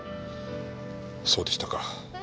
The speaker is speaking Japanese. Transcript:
そうでしたか。